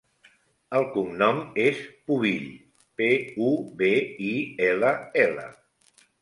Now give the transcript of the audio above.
El cognom és Pubill: pe, u, be, i, ela, ela.